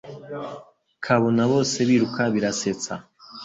Kabona bose biruka birasetsa